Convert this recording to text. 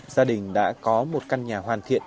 gia đình đã có một căn nhà hoàn thiện